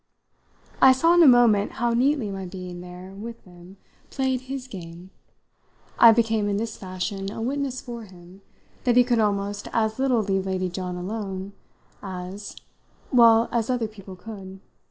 I saw in a moment how neatly my being there with them played his game; I became in this fashion a witness for him that he could almost as little leave Lady John alone as well, as other people could.